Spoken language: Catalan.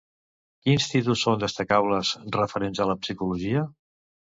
Quins títols són destacables, referents a la psicologia?